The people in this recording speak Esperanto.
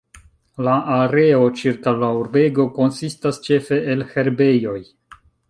La areo ĉirkaŭ la urbego konsistas ĉefe el herbejoj.